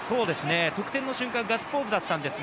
得点の瞬間、ガッツポーズだったんですが。